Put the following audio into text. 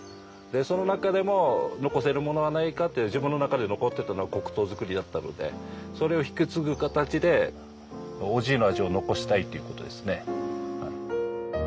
でその中でも残せるものはないかって自分の中で残ってたのは黒糖作りだったのでそれを引き継ぐ形でおじいの味を残したいっていう事ですね。